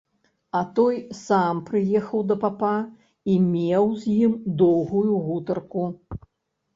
А той сам прыехаў да папа і меў з ім доўгую гутарку.